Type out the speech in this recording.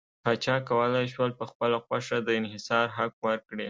پاچا کولای شول په خپله خوښه د انحصار حق ورکړي.